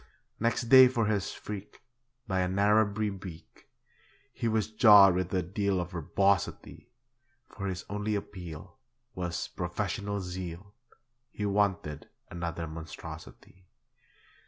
Next day for his freak, By a Narrabri beak, He was jawed with a deal of verbosity; For his only appeal Was 'professional zeal' He wanted another monstrosity.